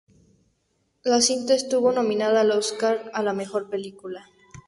La cinta estuvo nominada al Óscar a la mejor película.